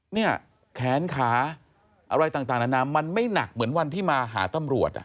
เนี่ยแขนขาอะไรต่างนานามันไม่หนักเหมือนวันที่มาหาตำรวจ